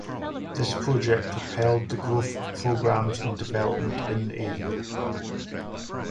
This project propelled the growth of programs and development in the area.